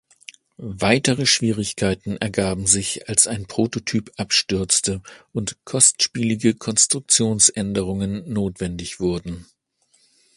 Weitere Schwierigkeiten ergaben sich, als ein Prototyp abstürzte und kostspielige Konstruktionsänderungen notwendig wurden.